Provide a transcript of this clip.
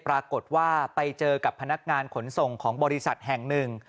ปรากฏว่าไปเจอกับพนักงานขนส่งของบริษัทแห่งหนึ่ง